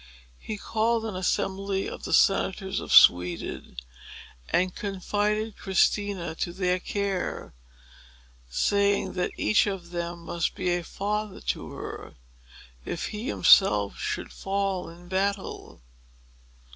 He called an assembly of the Senators of Sweden, and confided Christina to their care, saying that each one of them must be a father to her, if he himself should fall in battle.